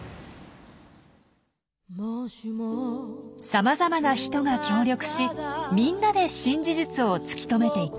さまざまな人が協力しみんなで新事実を突き止めていく。